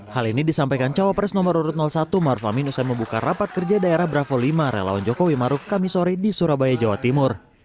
hal ini disampaikan cawapres nomor urut satu maruf amin usai membuka rapat kerja daerah bravo lima relawan jokowi maruf kamisore di surabaya jawa timur